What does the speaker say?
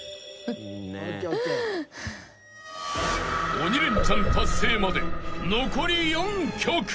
［鬼レンチャン達成まで残り４曲］